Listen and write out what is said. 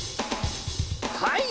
はい！